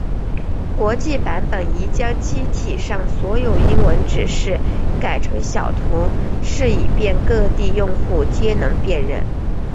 国际版本亦将机体上所有英文指示改成小图示以便各地用户皆能辨认。